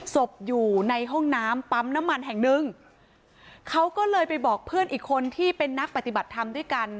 ศพอยู่ในห้องน้ำปั๊มน้ำมันแห่งหนึ่งเขาก็เลยไปบอกเพื่อนอีกคนที่เป็นนักปฏิบัติธรรมด้วยกัน